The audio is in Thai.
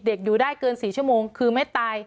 อยู่ได้เกิน๔ชั่วโมงคือไม่ตาย